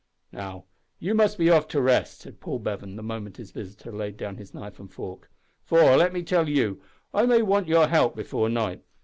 "Now, you must be off to rest," said Paul Bevan, the moment his visitor laid down his knife and fork, "for, let me tell you, I may want your help before night.